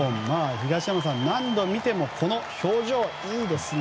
東山さん、何度見てもこの表情、いいですね。